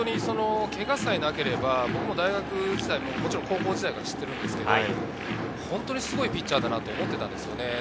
けがさえなければ大学時代、もちろん高校時代から知ってるんですが、本当にすごいピッチャーだなと思っていたんですよね。